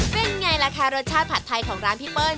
เป็นไงล่ะคะรสชาติผัดไทยของร้านพี่เปิ้ล